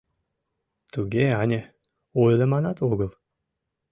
— Туге ане... ойлыманат огыл!